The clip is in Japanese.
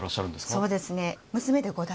そうですね。